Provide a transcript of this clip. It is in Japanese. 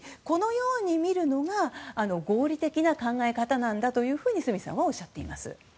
このように見るのが合理的な考え方なんだと角さんはおっしゃっています。